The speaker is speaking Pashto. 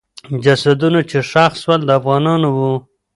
جسدونه چې ښخ سول، د افغانانو وو.